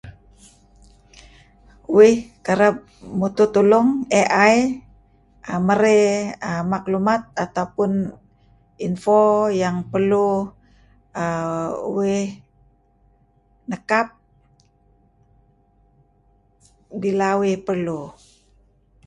Uih kereb mutuh tulung AI merey maklumat atau pun info yang perlu err uih nekap bila uih perlu.